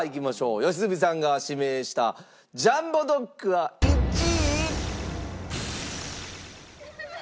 良純さんが指名したジャンボドックは１位。